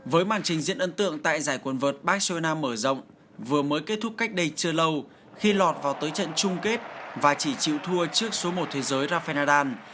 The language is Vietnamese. với màn trình diễn ấn tượng tại giải quần vợt barcelona mở rộng vừa mới kết thúc cách đây chưa lâu khi lọt vào tới trận chung kết và chỉ chịu thua trước số một thế giới rafenadan